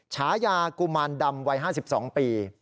ฉายากุมารดำวัย๕๒ปี